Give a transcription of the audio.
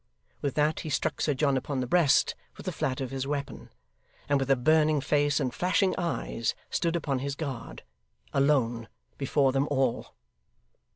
With that he struck Sir John upon the breast with the flat of his weapon, and with a burning face and flashing eyes stood upon his guard; alone, before them all.